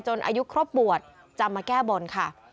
อายุครบบวชจะมาแก้บนค่ะ